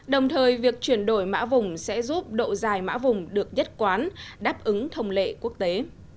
đồng thời việc chuyển đổi mã vùng sẽ giúp độ dài mã vùng được nhất quán đáp ứng thông lệ quốc tế